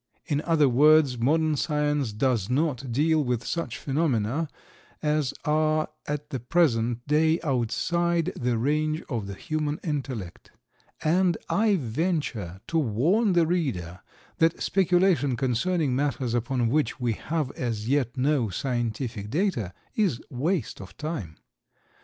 In other words, modern science does not deal with such phenomena as are at the present day outside the range of the human intellect; and I venture to warn the reader that speculation concerning matters upon which we have as yet no scientific data is waste of time.